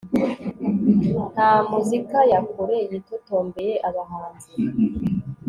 Nka muzika ya kure yitotombeye abahanzi